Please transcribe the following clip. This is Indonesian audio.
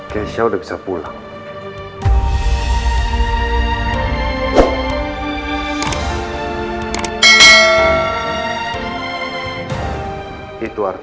kamu sampai ke dekat tuanku